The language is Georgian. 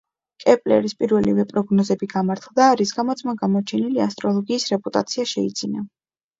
კეპლერის პირველივე პროგნოზები გამართლდა, რის გამოც მან გამოჩენილი ასტროლოგის რეპუტაცია შეიძინა.